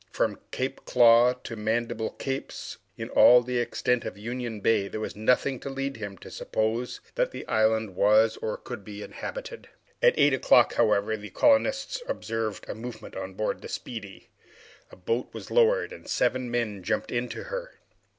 From Claw Cape to the Mandible Capes, in all the extent of Union Bay, there was nothing to lead him to suppose that the island was or could be inhabited. At eight o'clock, however, the colonists observed a movement on board the "Speedy." A boat was lowered, and seven men jumped into her.